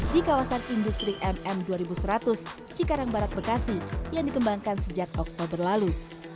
di kawasan industri mm dua ribu seratus cikarang barat bekasi yang dikembangkan sejak oktober lalu